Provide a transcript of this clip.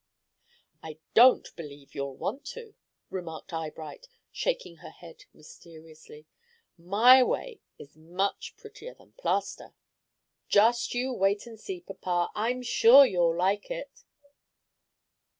"I don't believe you'll want to," remarked Eyebright, shaking her head mysteriously. "My way is much prettier than plaster. Just you wait and see, papa. I'm sure you'll like it."